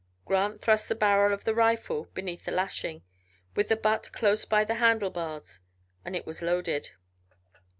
Grant thrust the barrel of the rifle beneath a lashing, with the butt close by the handle bars, and it was loaded.